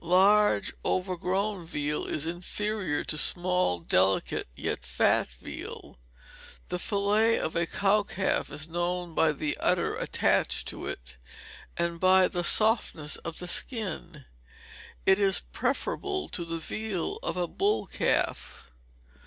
Large, overgrown veal is inferior to small, delicate, yet fat veal. The fillet of a cow calf is known by the udder attached to it, and by the softness of the skin; it is preferable to the veal of a bull calf.